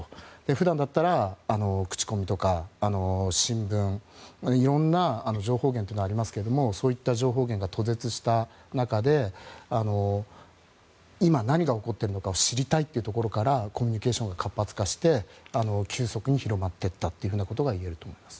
普段だったら口コミとか新聞いろんな情報源というものがありますけどもそういった情報源が途絶した中で今、何が起こってるのかを知りたいというところからコミュニケーションが活発化して急速に広まっていったといえると思います。